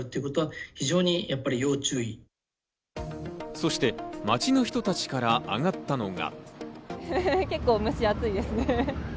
そして街の人たちからあがったのが。